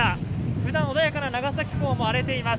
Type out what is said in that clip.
ふだん穏やかな長崎港も荒れています。